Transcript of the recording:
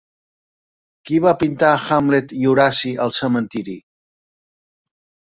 Qui va pintar Hamlet i Horaci al cementiri?